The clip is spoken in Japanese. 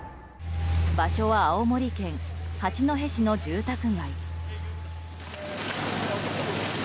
場所は青森県八戸市の住宅街。